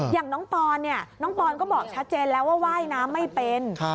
อย่างน้องปอนเนี่ยน้องปอนก็บอกชัดเจนแล้วว่าว่ายน้ำไม่เป็น